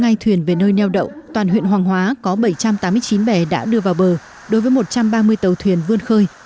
ngay thuyền về nơi neo đậu toàn huyện hoàng hóa có bảy trăm tám mươi chín bè đã đưa vào bờ đối với một trăm ba mươi tàu thuyền vươn khơi